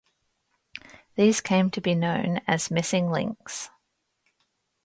These came to be known as "Missing Links".